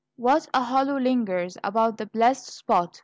What a halo lingers about the blessed spot!